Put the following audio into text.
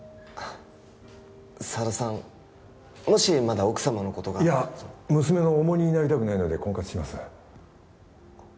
沢田さんもしまだ奥様のことがいや娘の重荷になりたくないので婚活します